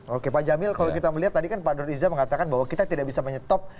oke pak jamil kalau kita melihat tadi kan pak nur riza mengatakan bahwa kita tidak bisa menyetop